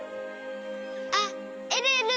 あっえるえる！